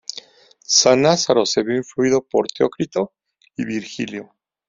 Sannazaro se vio influido por Teócrito y Virgilio.